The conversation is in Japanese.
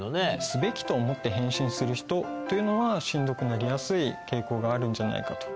「すべき」と思って返信する人というのはしんどくなりやすい傾向があるんじゃないかと。